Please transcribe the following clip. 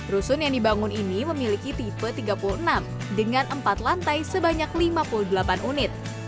rusun yang dibangun ini memiliki tipe tiga puluh enam dengan empat lantai sebanyak lima puluh delapan unit